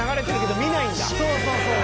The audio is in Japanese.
そうそうそう。